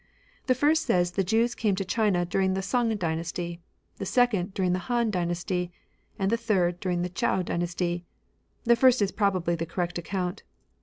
The first says the Jews came to China during the Sung dynasty ; the second, during the Han dynasty ; and the third, during the Chou dynasty. The first is probably the correct account.